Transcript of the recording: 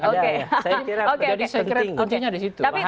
jadi saya kira kuncinya di situ